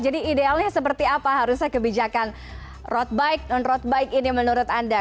jadi idealnya seperti apa harusnya kebijakan road bike dan non road bike ini menurut anda